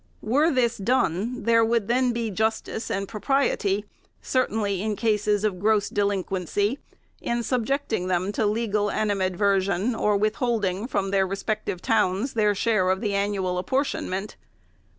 Were this done, there would then be justice and propriety, certainly in cases of gross delinquency, in subjecting them to legal animadversion, or withholding from their respective towns their share of the annual apportionment.